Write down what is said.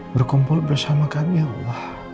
berkumpul bersama kami ya allah